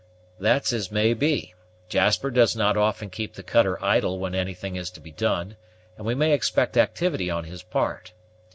"That's as may be: Jasper does not often keep the cutter idle when anything is to be done; and we may expect activity on his part.